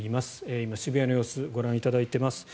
今、渋谷の様子ご覧いただいています。